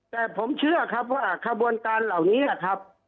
แต่ผมเชื่อครับว่าขบวนการเหล่านี้ครับ